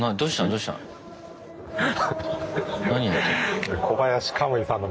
どうしたの？